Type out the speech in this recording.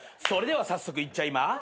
それでは早速いっちゃいま。